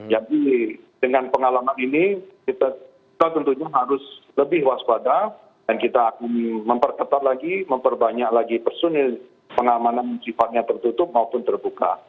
jadi dengan pengalaman ini kita tentunya harus lebih waspada dan kita memperketat lagi memperbanyak lagi personil pengamanan sifatnya tertutup maupun terbuka